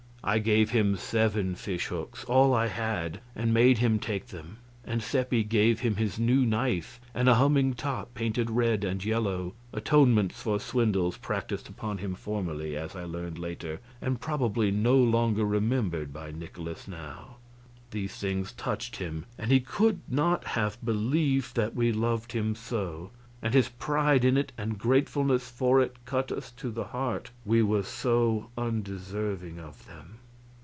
I gave him seven fish hooks all I had and made him take them; and Seppi gave him his new knife and a humming top painted red and yellow atonements for swindles practised upon him formerly, as I learned later, and probably no longer remembered by Nikolaus now. These things touched him, and he could not have believed that we loved him so; and his pride in it and gratefulness for it cut us to the heart, we were so undeserving of them.